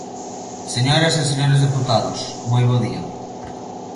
Señoras e señores deputados, moi bo día.